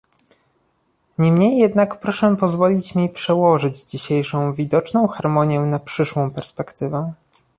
Niemniej jednak proszę pozwolić mi przełożyć dzisiejszą widoczną harmonię na przyszłą perspektywę